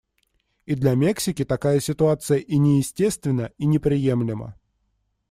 И для Мексики такая ситуация и не естественна, и не приемлема.